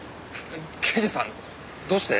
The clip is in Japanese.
刑事さんどうして？